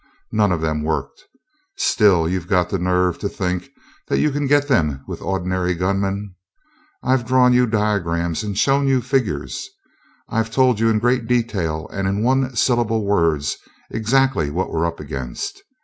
None of them worked. Still you've got the nerve to think that you can get them with ordinary gunmen! I've drawn you diagrams and shown you figures I've told you in great detail and in one syllable words exactly what we're up against.